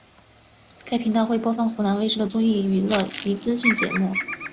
该频道会播放湖南卫视的综艺娱乐及资讯节目。